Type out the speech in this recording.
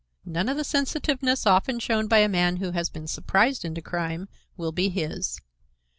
None of the sensitiveness often shown by a man who has been surprised into crime will be his.